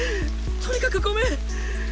とにかくごめん！